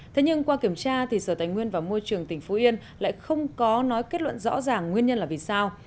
thế nhưng qua kiểm tra thì sở tài nguyên và môi trường tỉnh phú yên lại không có nói kết luận rõ ràng nguyên nhân là vì sao